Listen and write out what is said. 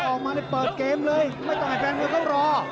เออเอามาได้เปิดเกมเลยไม่ต้องให้แฟนมือกับรอ